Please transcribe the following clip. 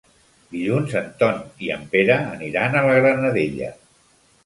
Dilluns en Ton i en Pere aniran a la Granadella.